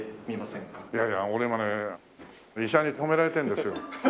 いやいや俺今ね医者に止められてるんですよ。